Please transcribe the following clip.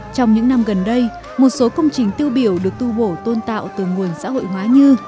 trong những năm gần đây một số công trình tiêu biểu được tu bổ tôn tạo từ nguồn xã hội hóa như